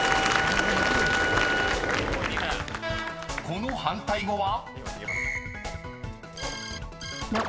［この反対語は？］ＯＫ！